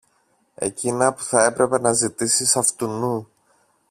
εκείνα που θα έπρεπε να ζητήσεις αυτουνού